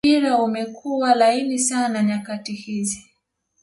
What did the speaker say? mpira umekua laini sana nyakati hizi